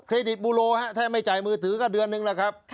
ดิตบูโลถ้าไม่จ่ายมือถือก็เดือนนึงแล้วครับ